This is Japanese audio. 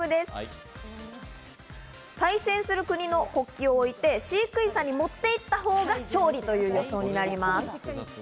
対戦する国の国旗を置いて、飼育員さんに持っていったほうが勝利という予想になります。